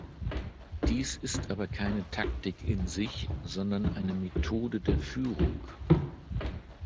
Dies ist aber keine Taktik in sich, sondern eine "Methode der Führung".